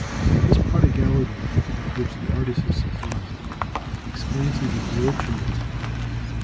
This prodigality with which the artist is supplied, explains his absorption in his work.